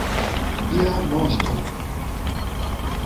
Via moŝto!